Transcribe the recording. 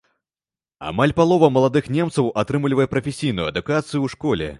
Амаль палова маладых немцаў атрымлівае прафесійную адукацыю ў школе.